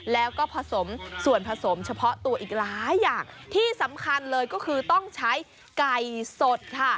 แล้วก็ผสมส่วนผสมเฉพาะตัวอีกหลายอย่างที่สำคัญเลยก็คือต้องใช้ไก่สดค่ะ